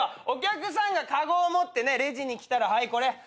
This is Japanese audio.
お客さんがかごを持ってレジに来たらはいこれ。